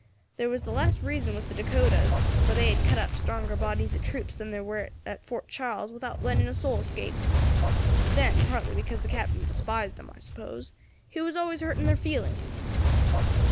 There was the less reason with the Dacotas, for they had cut up stronger bodies of troops than there was at Fort Charles without letting a soul escape. Then, partly because the captain despised them, I suppose, he was always hurting their feelings.